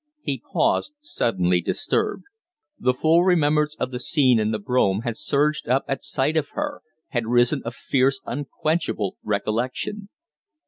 He paused, suddenly disturbed. The full remembrance of the scene in the brougham had surged up at sight of her had risen a fierce, unquenchable recollection.